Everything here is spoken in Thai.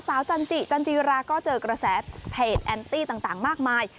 จันจิจันจิราก็เจอกระแสเพจแอนตี้ต่างมากมาย